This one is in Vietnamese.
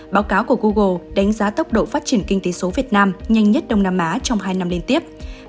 báo cáo của google đánh giá tốc độ phát triển kinh tế số việt nam nhanh nhất đông nam á trong hai năm liên tiếp